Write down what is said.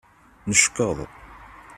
Neckeḍ.